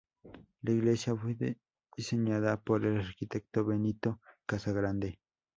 La iglesia fue diseñada por el arquitecto Benito Casagrande.